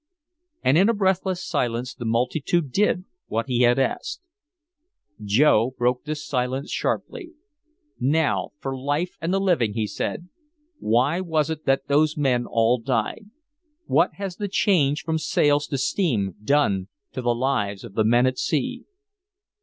And in a breathless silence the multitude did what he had asked. Joe broke this silence sharply. "Now for life and the living," he said. "Why was it that those men all died? What has the change from sails to steam done to the lives of the men at sea?